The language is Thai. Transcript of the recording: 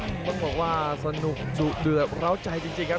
เมื่อเราบอกว่าสนุกสูดเหนือเราใจจริงครับ